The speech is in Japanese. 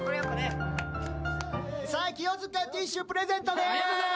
清塚ティッシュをプレゼントです。